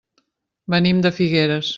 Venim de Figueres.